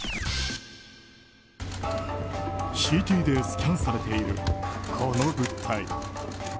ＣＴでスキャンされているこの物体。